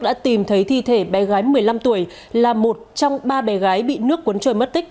đã tìm thấy thi thể bé gái một mươi năm tuổi là một trong ba bé gái bị nước cuốn trôi mất tích